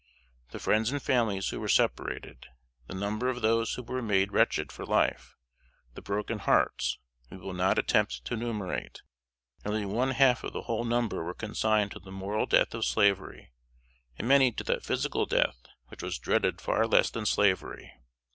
The friends and families who were separated, the number of those who were made wretched for life, the broken hearts, we will not attempt to enumerate. Nearly one half of the whole number were consigned to the moral death of slavery, and many to that physical death which was dreaded far less than slavery.